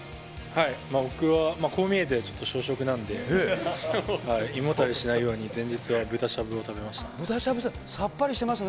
僕はこう見えて、ちょっと小食なんで、胃もたれしないように、前日は豚しゃぶを食べました。